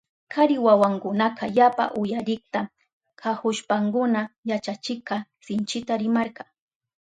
Kari wawakunaka yapa uyarikta kahushpankuna yachachikka sinchita rimarka.